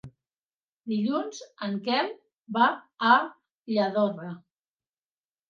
Dilluns en Quel va a Lladorre.